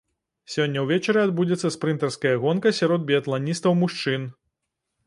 Сёння ўвечары адбудзецца спрынтарская гонка сярод біятланістаў-мужчын.